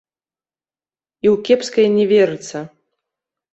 І ў кепскае не верыцца.